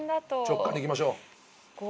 直感でいきましょう。